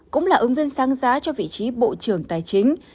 cũng là ứng viên sáng giá cho vị trí bộ trưởng tài chính